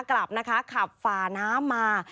กลับขับฝาน้ำมา